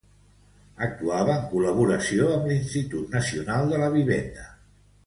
Actuava en col·laboració amb l'Institut Nacional de la Vivenda.